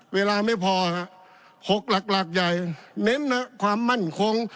เวลาไม่พอหกหลักหลักใหญ่เน้นนะความมั่นคง